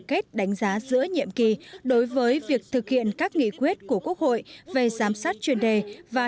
kết đánh giá giữa nhiệm kỳ đối với việc thực hiện các nghị quyết của quốc hội về giám sát chuyên đề và